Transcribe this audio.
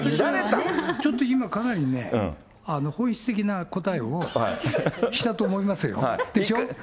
ちょっと今、かなりね、本質的な答えをしたと思いますよ。でしょ？